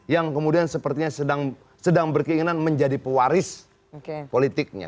yang kemudian sepertinya sedang berkeinginan menjadi pewaris politiknya